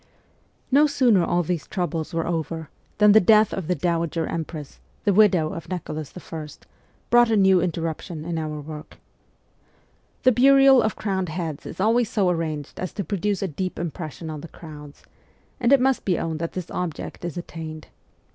No sooner all these troubles were over, than the death of the Dowager Empress the widow of Nicholas I. brought a new interruption in our work. The burial of crowned heads is always so arranged as to produce a deep impression on the crowds, and it must be owned that this object is attained.